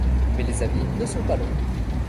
Mais les amis ne sont pas loin.